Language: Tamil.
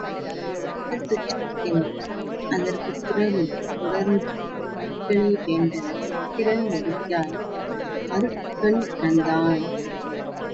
பெயர் துச்சனை என்பது அதற்குப் பிறகு தொடர்ந்து இந்திரனை வேண்ட இந்திரன் வருகையால் அருச்சுனன் பிறந்தான்.